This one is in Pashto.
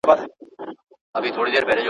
زه بايد ليک ولولم.